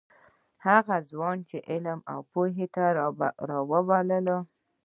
هغه ځوانان علم او پوهې ته راوبلل.